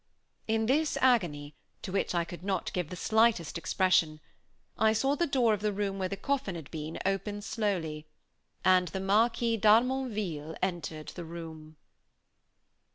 In this agony, to which I could not give the slightest expression, I saw the door of the room where the coffin had been, open slowly, and the Marquis d'Harmonville entered the room.